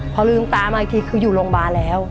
พอลืมตามาอีกทีคืออยู่โรงพยาบาลแล้ว